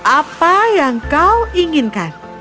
apa yang kau inginkan